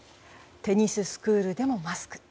テニススクールでもマスク。